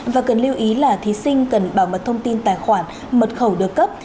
và cần lưu ý là thí sinh cần bảo mật thông tin tài khoản mật khẩu được cấp